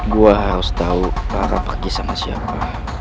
gua harus tau para pergi sama siapa